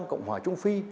cộng hòa trung phi